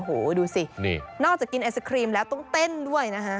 โอ้โหดูสินี่นอกจากกินไอศครีมแล้วต้องเต้นด้วยนะฮะ